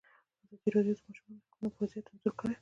ازادي راډیو د د ماشومانو حقونه وضعیت انځور کړی.